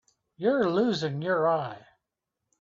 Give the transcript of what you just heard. You're losing your eye.